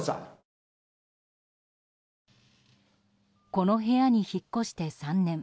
この部屋に引っ越して３年。